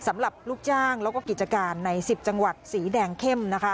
สำหรับลูกจ้างแล้วก็กิจการใน๑๐จังหวัดสีแดงเข้มนะคะ